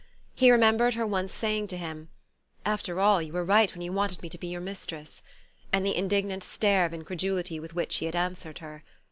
He remembered her once saying to him: "After all, you were right when you wanted me to be your mistress," and the indignant stare of incredulity with which he had answered her.